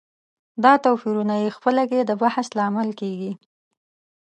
دا توپيرونه یې خپله کې د بحث لامل کېږي.